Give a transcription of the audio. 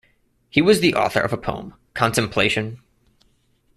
He was the author of a poem, "Contemplation".